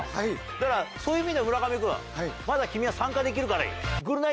だからそういう意味で村上君まだ君は参加できるからいい。